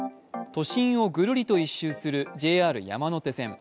都心をぐるりと１周するＪＲ山手線。